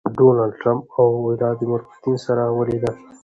ډونالډ ټرمپ او ويلاديمير پوتين سره وليدل.